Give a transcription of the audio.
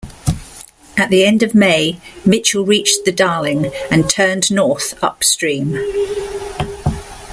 At the end of May, Mitchell reached the Darling and turned north upstream.